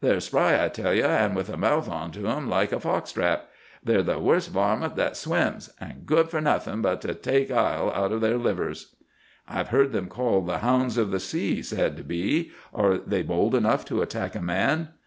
They're spry, I tell you, an' with a mouth onto 'em like a fox trap. They're the worst varmin that swims; an' good fer nothin' but to make ile out of ther livers.' "'I've heard them called the "hounds of the sea,"' said B——. 'Are they bold enough to attack a man?